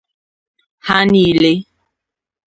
Ha niile